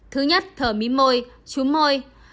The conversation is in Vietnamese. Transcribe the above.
thứ nhất thở mí môi chúm môi